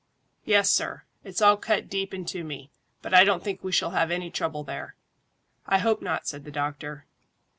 "Yes, sir; it's all cut deep into me, but I don't think we shall have any trouble there." "I hope not," said the doctor.